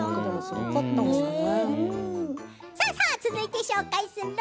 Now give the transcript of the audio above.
続いて紹介する。